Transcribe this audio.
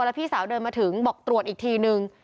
แล้วพี่สาวเดินมาถึงบอกตรวจอีกทีนึง